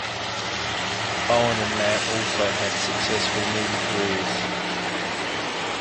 Owen and Matt also had successful movie careers.